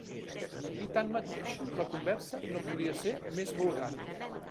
I tanmateix, la conversa no podia ser més vulgar.